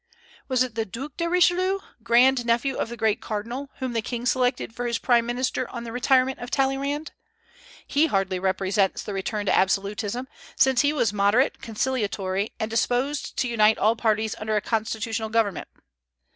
Was it the Duc de Richelieu, grand nephew of the great cardinal, whom the king selected for his prime minister on the retirement of Talleyrand? He hardly represents the return to absolutism, since he was moderate, conciliatory, and disposed to unite all parties under a constitutional government.